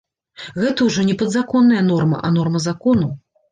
Гэта ўжо не падзаконная норма, а норма закону.